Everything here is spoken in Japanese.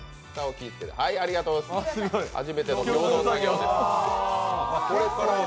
初めての共同作業です。